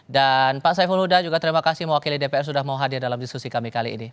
dan pak saiful huda terima kasih mewakili dpr sudah mau hadir dalam diskusi kami kali ini